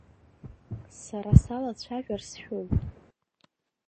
Сара салацәажәар сшәоит.